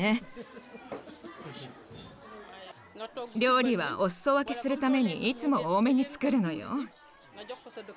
料理はお裾分けするためにいつも多めに作るのよ。